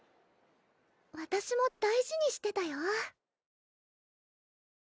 わたしも大事にしてたよ